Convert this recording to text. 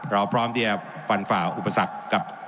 เราพร้อมที่จะฟันฝ่าอุปสรรคกับ